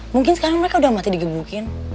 mungkin sekarang mereka udah mati digebukin